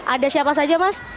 ada siapa saja mas